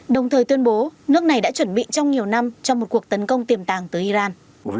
đồng thời tuyên bố nước này đã chuẩn bị trong nhiều năm cho một cuộc tấn công tiềm tàng tới iran